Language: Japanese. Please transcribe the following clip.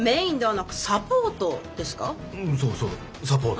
そうそうサポート。